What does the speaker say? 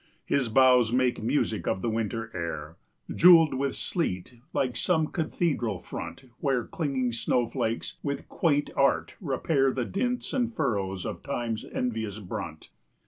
His boughs make music of the winter air, Jewelled with sleet, like some cathedral front Where clinging snow flakes with quaint art repair 15 The dints and furrows of time's envious brunt.